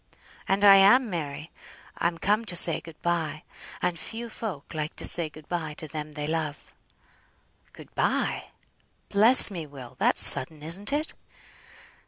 "And I am, Mary! I'm come to say good bye; and few folk like to say good bye to them they love." "Good bye! Bless me, Will, that's sudden, isn't it?"